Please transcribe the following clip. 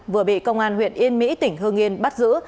vừa bị công an huyện yên mỹ tỉnh hương yên bắt giữ